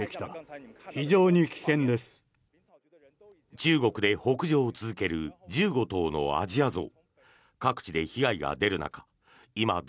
中国で北上を続ける１５頭のアジアゾウ。